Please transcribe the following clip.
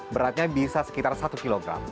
beratnya bisa sekitar satu kg